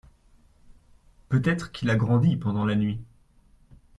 Peut-être qu’il a grandi pendant la nuit.